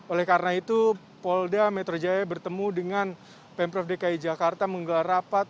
oleh karena itu polda metro jaya bertemu dengan pemprov dki jakarta menggelar rapat